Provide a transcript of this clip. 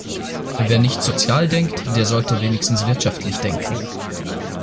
Wer nicht sozial denkt, der sollte wenigstens wirtschaftlich denken.